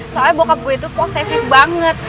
soalnya bokap gue itu posesif banget